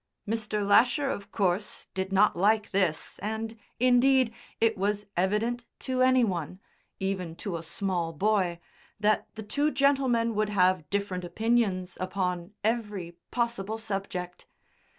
Mr. Lasher of course did not like this, and, indeed, it was evident to any one (even to a small boy) that the two gentlemen would have different opinions upon every possible subject.